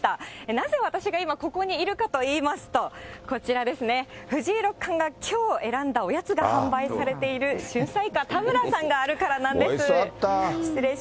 なぜ私が今、ここにいるかといいますと、こちらですね、藤井六冠がきょう選んだおやつが販売されている旬彩菓たむらさんおいしそうだった。